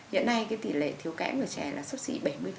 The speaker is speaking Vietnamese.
hiện nay cái tỉ lệ thiếu kẽm của trẻ là sấp xị bảy mươi